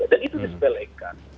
dan itu disebelahkan